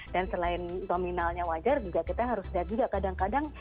dan selain nominalnya wajar juga kita harus lihat juga kadang kadang